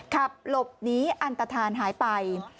ขับหลบหนีอันตฐานหายไป